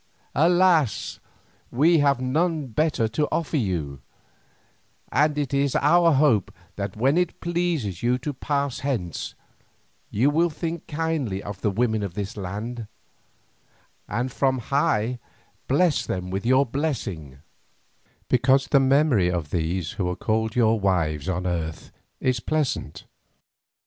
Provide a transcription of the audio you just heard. Alas, we have none better to offer you, and it is our hope that when it pleases you to pass hence you will think kindly of the women of this land, and from on high bless them with your blessing, because your memory of these who were called your wives on earth is pleasant."